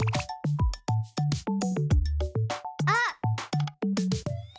あっ。